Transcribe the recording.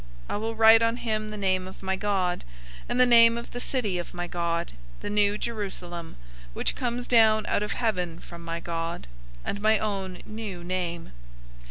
I will write on him the name of my God, and the name of the city of my God, the new Jerusalem, which comes down out of heaven from my God, and my own new name.